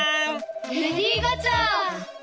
レディー・ガチャ！